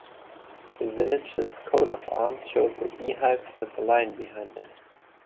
The village's coat of arms shows a beehive with a lion behind it.